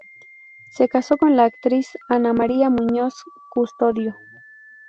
Se casó con la actriz Ana María Muñoz Custodio.